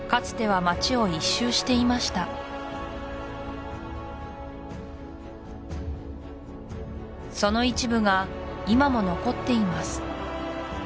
つては街を一周していましたその一部が今も残っています